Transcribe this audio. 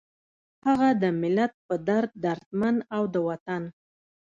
هغه د ملت پۀ دړد دردمند، او د وطن